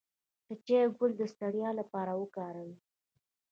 د چای ګل د ستړیا لپاره وکاروئ